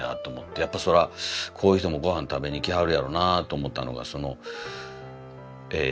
やっぱそらこういう人も御飯食べにきはるやろなと思ったのがそのえ